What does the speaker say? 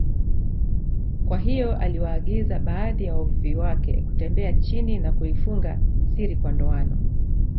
Kwa hiyo aliwaagiza baadhi ya wavuvi wake kutembea chini na kuifunga siri kwa ndoano